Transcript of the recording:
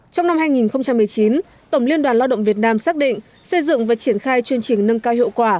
trong năm hai nghìn một mươi chín tổng liên đoàn lao động việt nam xác định xây dựng và triển khai chương trình nâng cao hiệu quả